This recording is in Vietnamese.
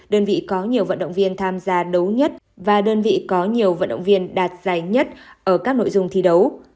đơn vị có nhiều vận động viên tham gia đấu nhất và đơn vị có nhiều vận động viên đạt giải nhất ở các nội dung thi đấu